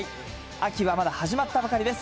秋はまだ始まったばかりです。